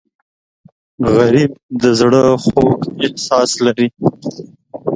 غریب د زړه خوږ احساس لري